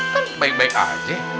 kan baik baik aja